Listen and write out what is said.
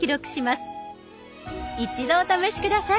一度お試し下さい。